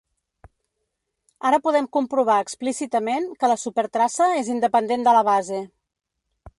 Ara podem comprovar explícitament que la supertraça és independent de la base.